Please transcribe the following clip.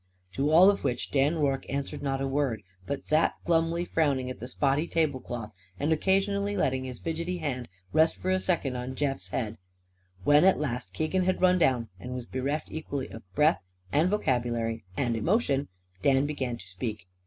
To all of which Dan Rorke answered not a word; but sat glumly frowning at the spotty tablecloth and occasionally letting his fidgety hand rest for a second on Jeff's head. When at last Keegan had run down and was bereft equally of breath and vocabulary and emotion, Dan began to speak.